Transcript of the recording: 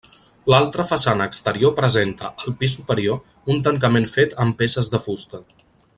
L'altra façana exterior presenta, al pis superior, un tancament fet amb peces de fusta.